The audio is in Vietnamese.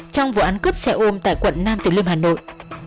trong vụ án cướp xe ôm tại quận nam tử liêm hà nội